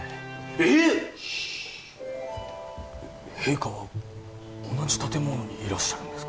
シーッ陛下は同じ建物にいらっしゃるんですか？